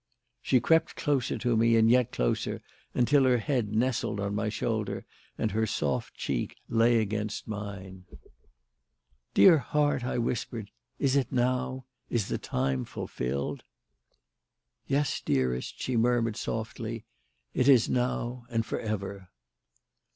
She crept closer to me and yet closer, until her head nestled on my shoulder and her soft cheek lay against mine. "Dear heart," I whispered, "is it now? Is the time fulfilled?" "Yes, dearest," she murmured softly. "It is now and for ever."